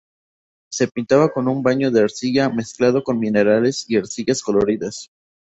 Se pintaba con un baño de arcilla mezclado con minerales y arcillas coloridas.